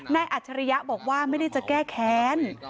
อัจฉริยะบอกว่าไม่ได้จะแก้แค้น